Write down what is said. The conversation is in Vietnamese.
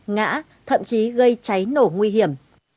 ngã thậm chí gây cháy nổ nguy hiểm